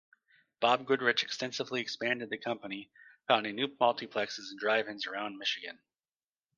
Bob Goodrich extensively expanded the company, founding new multiplexes and drive-ins around Michigan.